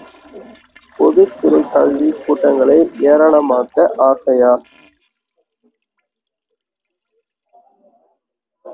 பொதுத் துறைக் கல்விக் கூடங்களை ஏராளமாக்க ஆசையா?